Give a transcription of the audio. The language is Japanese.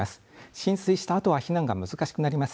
浸水したあとは避難が難しくなります。